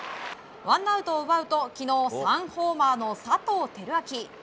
ワンアウトを奪うと昨日３ホーマーの佐藤輝明。